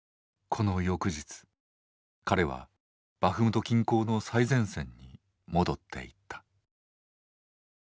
この翌日彼はバフムト近郊の最前線に戻っていった。